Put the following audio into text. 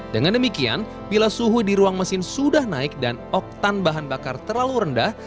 dengan demikian bila suhu di ruang mesin sudah naik dan oktan bahan bakar terlalu rendah